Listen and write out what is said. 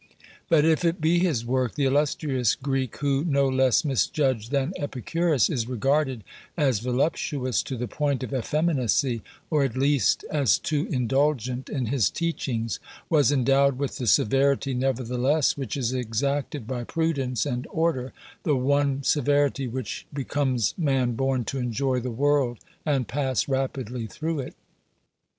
But if it be his work, the illustrious Greek who, no less misjudged than Epicurus, is regarded as voluptuous to the point of effeminacy, or at least as too indulgent in his teachings, was endowed with the severity, nevertheless, which is exacted by prudence and order, the one severity which be comes man born to enjoy the world and pass rapidly through it.